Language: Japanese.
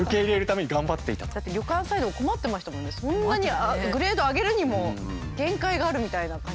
そんなにグレード上げるにも限界があるみたいな感じ。